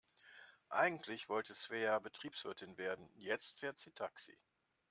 Eigentlich wollte Svea Betriebswirtin werden, jetzt fährt sie Taxi.